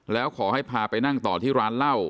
แล้วขอให้พาไปนั่งต่อที่ร้านเหล้า